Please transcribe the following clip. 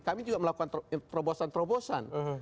kami juga melakukan probosan probosan